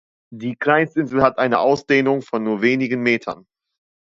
Die Kleinst-Insel hat eine Ausdehnung von nur wenigen Metern.